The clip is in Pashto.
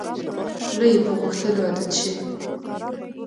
خوله یې په غوښتلو عادت شوې.